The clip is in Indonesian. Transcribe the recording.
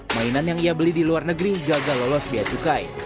mainan yang ia beli di luar negeri gagal lolos biaya cukai